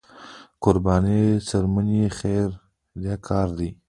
د قربانۍ څرمنې خیریه کار دی